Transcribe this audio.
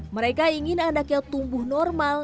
mereka ingin anaknya tumbuh normal